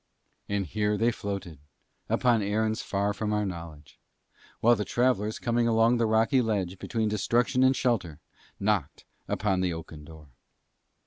And here they floated upon errands far from our knowledge; while the travellers coming along the rocky ledge between destruction and shelter, knocked on the oaken door.